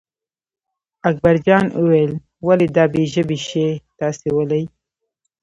اکبرجان وویل ولې دا بې ژبې شی تاسې ولئ.